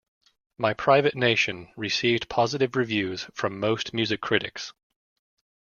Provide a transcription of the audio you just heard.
"My Private Nation" received positive reviews from most music critics.